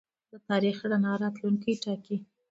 د تاریخ رڼا راتلونکی ټاکي.